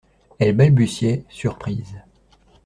Elle balbutiait, surprise.